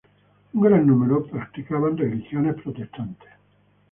Un gran número practicaban religiones protestantes.